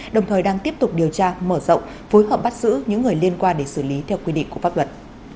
đồng thời đang tiếp tục điều tra mở rộng phối hợp bắt giữ những người liên quan để xử lý theo quy định của pháp luật